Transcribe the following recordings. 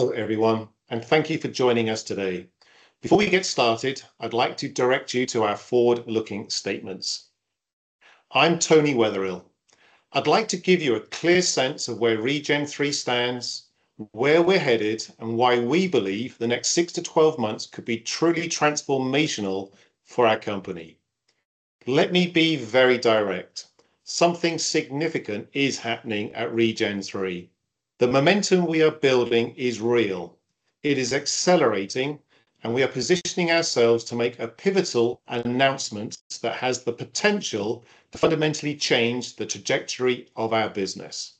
... Hello, everyone, and thank you for joining us today. Before we get started, I'd like to direct you to our forward-looking statements. I'm Tony Weatherill. I'd like to give you a clear sense of where ReGen III stands, where we're headed, and why we believe the next six to 12 months could be truly transformational for our company. Let me be very direct: something significant is happening at ReGen III. The momentum we are building is real, it is accelerating, and we are positioning ourselves to make a pivotal announcement that has the potential to fundamentally change the trajectory of our business.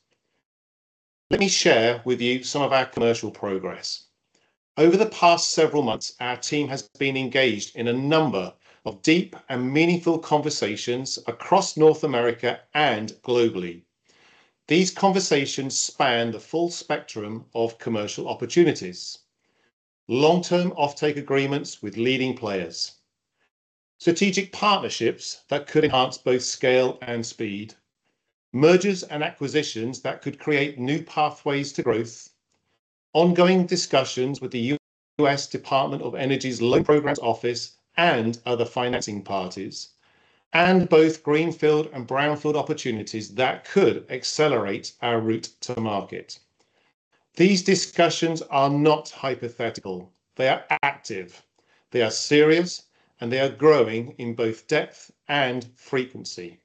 Let me share with you some of our commercial progress. Over the past several months, our team has been engaged in a number of deep and meaningful conversations across North America and globally. These conversations span the full spectrum of commercial opportunities, long-term offtake agreements with leading players, strategic partnerships that could enhance both scale and speed, mergers and acquisitions that could create new pathways to growth, ongoing discussions with the U.S. Department of Energy's Loan Programs Office and other financing parties, and both greenfield and brownfield opportunities that could accelerate our route to market. These discussions are not hypothetical. They are active, they are serious, and they are growing in both depth and frequency.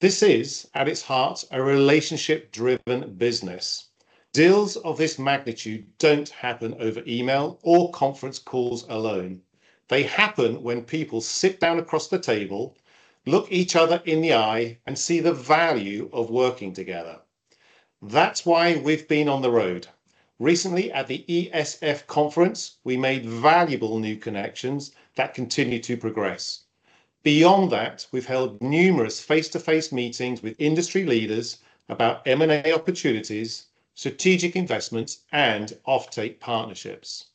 This is, at its heart, a relationship-driven business. Deals of this magnitude don't happen over email or conference calls alone. They happen when people sit down across the table, look each other in the eye, and see the value of working together. That's why we've been on the road. Recently, at the ESF conference, we made valuable new connections that continue to progress. Beyond that, we've held numerous face-to-face meetings with industry leaders about M&A opportunities, strategic investments, and offtake partnerships.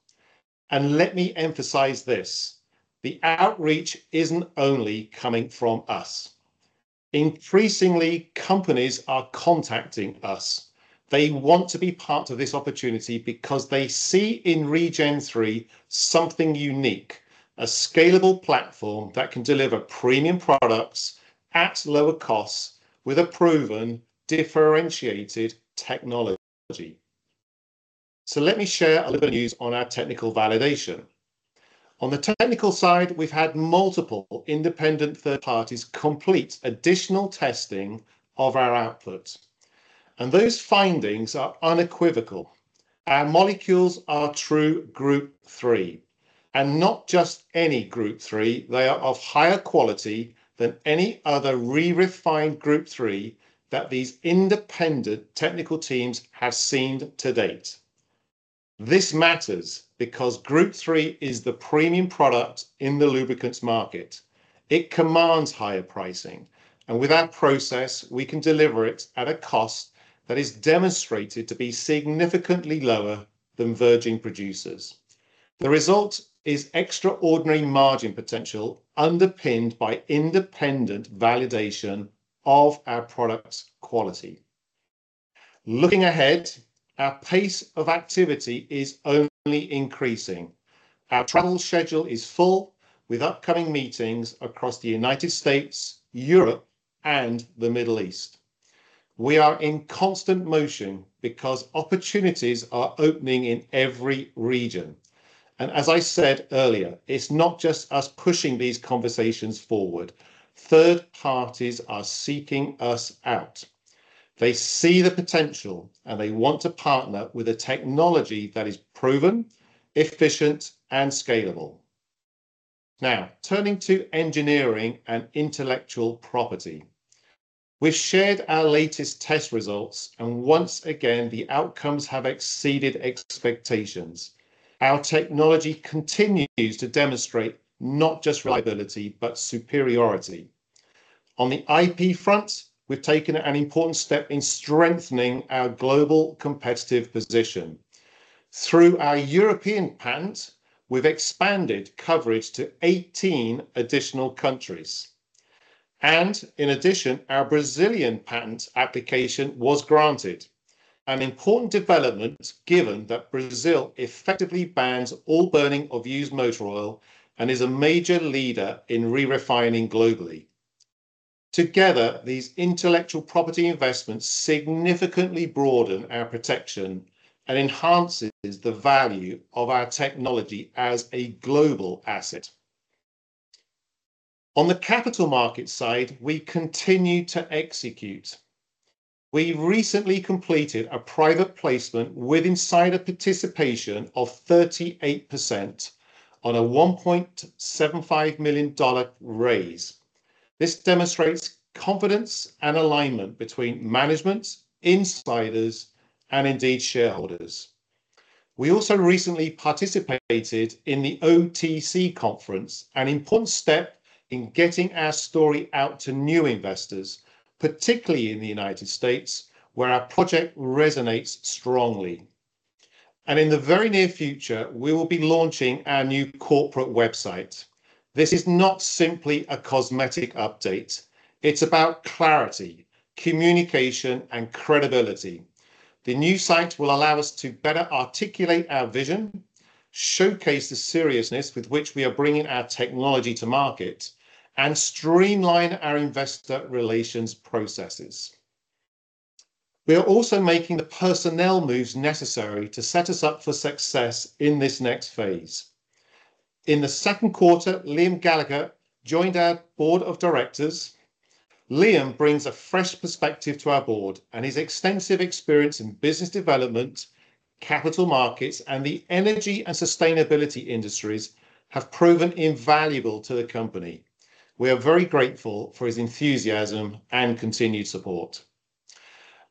And let me emphasize this: the outreach isn't only coming from us. Increasingly, companies are contacting us. They want to be part of this opportunity because they see in ReGen III something unique, a scalable platform that can deliver premium products at lower costs with a proven, differentiated technology. So let me share a little news on our technical validation. On the technical side, we've had multiple independent third parties complete additional testing of our output, and those findings are unequivocal. Our molecules are true Group III, and not just any Group III. They are of higher quality than any other re-refined Group III that these independent technical teams have seen to date. This matters because Group III is the premium product in the lubricants market. It commands higher pricing, and with our process, we can deliver it at a cost that is demonstrated to be significantly lower than virgin producers. The result is extraordinary margin potential, underpinned by independent validation of our product's quality. Looking ahead, our pace of activity is only increasing. Our travel schedule is full, with upcoming meetings across the United States, Europe, and the Middle East. We are in constant motion because opportunities are opening in every region, and as I said earlier, it's not just us pushing these conversations forward. Third parties are seeking us out. They see the potential, and they want to partner with a technology that is proven, efficient, and scalable. Now, turning to engineering and intellectual property, we've shared our latest test results, and once again, the outcomes have exceeded expectations. Our technology continues to demonstrate not just reliability, but superiority. On the IP front, we've taken an important step in strengthening our global competitive position. Through our European patent, we've expanded coverage to 18 additional countries, and in addition, our Brazilian patent application was granted, an important development given that Brazil effectively bans all burning of used motor oil and is a major leader in re-refining globally. Together, these intellectual property investments significantly broaden our protection and enhances the value of our technology as a global asset. On the capital market side, we continue to execute. We've recently completed a private placement with insider participation of 38% on a 1.75 million dollar raise. This demonstrates confidence and alignment between management, insiders, and indeed, shareholders. We also recently participated in the OTC conference, an important step in getting our story out to new investors, particularly in the United States, where our project resonates strongly. And in the very near future, we will be launching our new corporate website. This is not simply a cosmetic update. It's about clarity, communication, and credibility. The new site will allow us to better articulate our vision, showcase the seriousness with which we are bringing our technology to market, and streamline our investor relations processes. We are also making the personnel moves necessary to set us up for success in this next phase. In the second quarter, Liam Gallagher joined our Board of Directors. Liam brings a fresh perspective to our board, and his extensive experience in business development, capital markets, and the energy and sustainability industries have proven invaluable to the company. We are very grateful for his enthusiasm and continued support.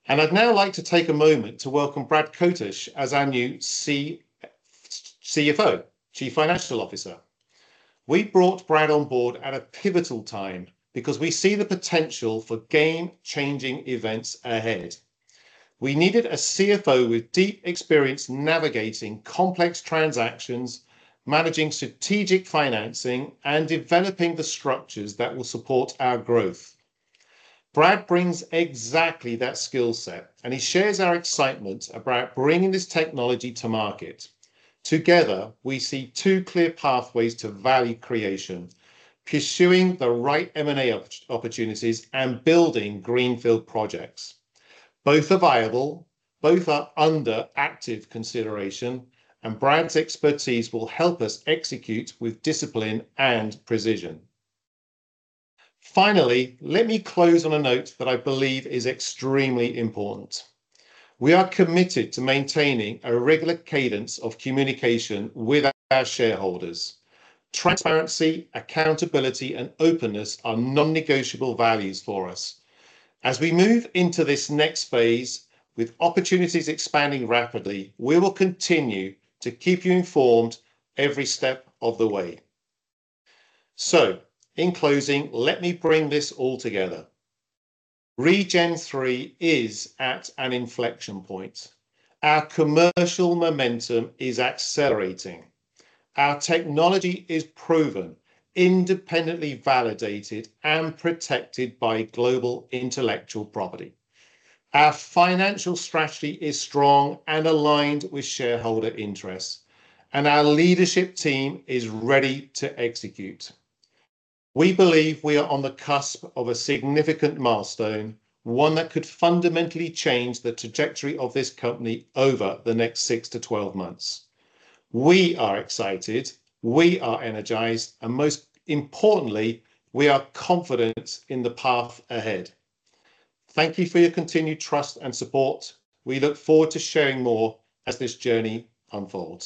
And I'd now like to take a moment to welcome Brad Kotush as our new CFO, Chief Financial Officer. We brought Brad on board at a pivotal time because we see the potential for game-changing events ahead. We needed a CFO with deep experience navigating complex transactions, managing strategic financing, and developing the structures that will support our growth. Brad brings exactly that skill set, and he shares our excitement about bringing this technology to market. Together, we see two clear pathways to value creation: pursuing the right M&A opportunities and building greenfield projects. Both are viable, both are under active consideration, and Brad's expertise will help us execute with discipline and precision. Finally, let me close on a note that I believe is extremely important. We are committed to maintaining a regular cadence of communication with our shareholders. Transparency, accountability, and openness are non-negotiable values for us. As we move into this next phase with opportunities expanding rapidly, we will continue to keep you informed every step of the way, so in closing, let me bring this all together. ReGen III is at an inflection point. Our commercial momentum is accelerating. Our technology is proven, independently validated, and protected by global intellectual property. Our financial strategy is strong and aligned with shareholder interests, and our leadership team is ready to execute. We believe we are on the cusp of a significant milestone, one that could fundamentally change the trajectory of this company over the next six to twelve months. We are excited, we are energized, and most importantly, we are confident in the path ahead. Thank you for your continued trust and support. We look forward to sharing more as this journey unfolds.